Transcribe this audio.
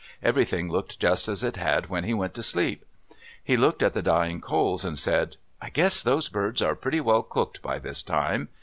Everything looked just as it had when he went to sleep. He looked at the dying coals, and said, "I guess those birds are pretty well cooked by this time."